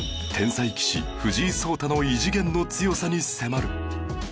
天才棋士藤井聡太の異次元の強さに迫る